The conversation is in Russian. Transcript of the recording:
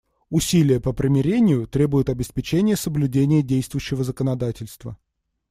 Усилия по примирению требуют обеспечения соблюдения действующего законодательства.